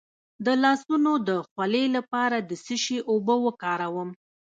د لاسونو د خولې لپاره د څه شي اوبه وکاروم؟